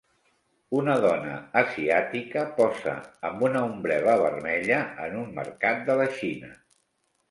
Una dona asiàtica posa amb una ombrel·la vermella en un mercat de la Xina.